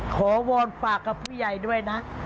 วอนปากกับผู้ใหญ่ด้วยนะ